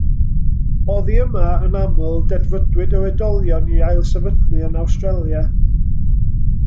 Oddi yma, yn aml, dedfrydwyd yr oedolion i ailsefydlu yn Awstralia.